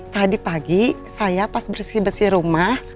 tadi pagi saya pas bersih bersih rumah